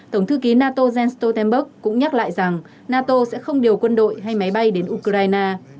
tổng thư ký nato jens stoltenberg cũng nhắc lại rằng nato sẽ không điều quân đội hay máy bay đến ukraine